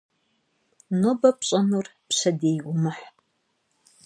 Нобэ пщӏэнур пщэдей умыхь.